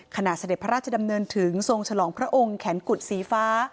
เสด็จพระราชดำเนินถึงทรงฉลองพระองค์แขนกุดสีฟ้า